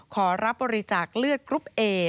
ขอรับบริจาคเลือดกรุ๊ปเอ